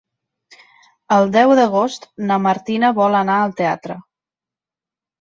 El deu d'agost na Martina vol anar al teatre.